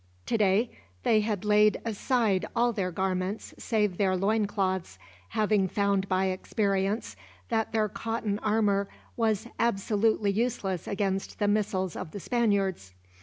Today they had laid aside all their garments save their loincloths, having found by experience that their cotton armor was absolutely useless against the missiles of the Spaniards.